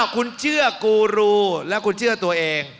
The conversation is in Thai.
คุณเชื่อกูรูและคุณเชื่อตัวเอง